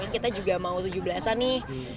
kita juga mau tujuh belas an nih